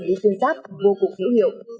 bệnh viện tuyên giáp vô cùng hiểu hiệu